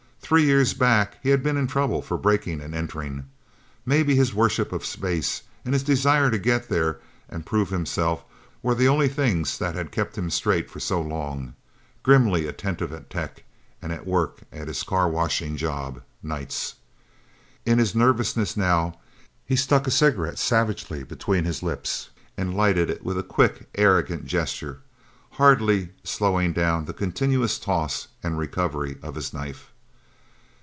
Three years back, he had been in trouble for breaking and entering. Maybe his worship of space, and his desire to get there and prove himself, were the only things that had kept him straight for so long grimly attentive at Tech, and at work at his car washing job, nights. In his nervousness, now, he stuck a cigarette savagely between his lips, and lighted it with a quick, arrogant gesture, hardly slowing down the continuous toss and recovery of his knife.